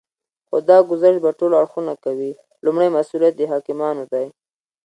خو دا ګذشت به ټول اړخونه کوي. لومړی مسئوليت یې د حاکمانو دی